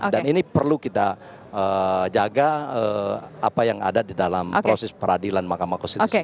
dan ini perlu kita jaga apa yang ada di dalam proses peradilan mahkamah konstitusi